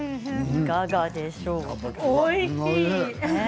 いかがでしょうか。